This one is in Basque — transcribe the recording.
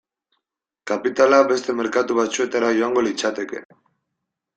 Kapitala beste merkatu batzuetara joango litzateke.